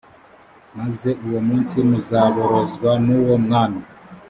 maze uwo munsi muzaborozwa n uwo mwami